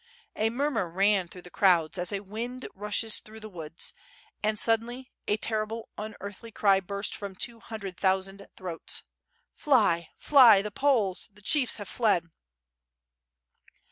A murmur ran through the crowds as a wind rushes through the woods, and suddenly a terrible, unearthly cry burst from two hundred thousand throats. "Fly! fly! the Poles! The chiefs have fled!"